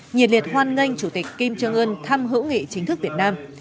nhiệt liệt hoan nghênh chủ tịch kim trương ươn thăm hữu nghị chính thức việt nam